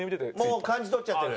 もう感じ取っちゃってる？